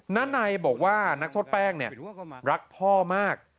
นานัยบอกว่านักโทษแป้งเนี่ยรักพ่อมาก